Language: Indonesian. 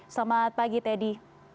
selamat pagi teddy